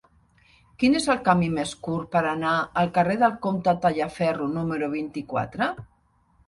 Quin és el camí més curt per anar al carrer del Comte Tallaferro número vint-i-quatre?